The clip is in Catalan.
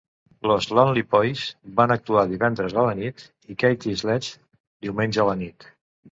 Los Lonely Boys van actuar divendres a la nit i Kathy Sledge, diumenge a la nit.